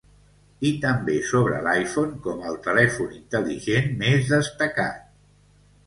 I també sobre l'iPhone com el telèfon intel·ligent més destacat.